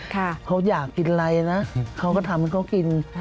เขาอยากกินอะไรนะเขาก็ทำให้เขากิน